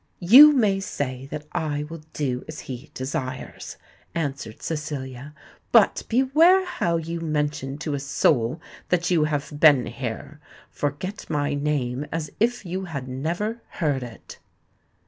"You may say that I will do as he desires," answered Cecilia: "but beware how you mention to a soul that you have been here. Forget my name as if you had never heard it."